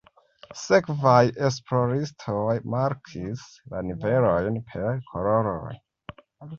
Sekvaj esploristoj markis la nivelojn per koloroj.